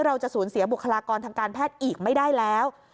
เราจะสูญเสียบุคลากรทางการแพทย์อีกไม่ได้แล้ว